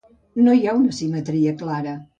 No hi ha una simetria clara.